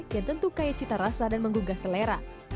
yang tentu kaya cita rasa dan menggugah selera